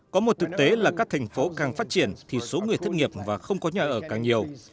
có một thực tế là các thành phố càng phát triển thì số người thất nghiệp và không có nhà ở càng nhiều